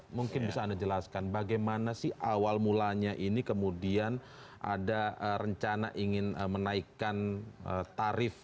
mungkin bisa anda jelaskan bagaimana sih awal mulanya ini kemudian ada rencana ingin menaikkan tarif